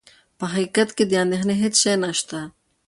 په حقیقت کې د اندېښنې هېڅ شی نه شته.